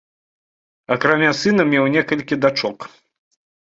Акрамя сына, меў некалькі дачок.